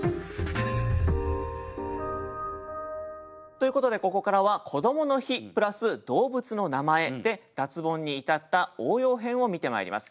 ということでここからは「こどもの日」プラス「動物の名前」で脱ボンに至った応用編を見てまいります。